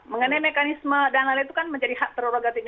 mengenai mekanisme dan lain lain itu kan menjadi hak prerogatif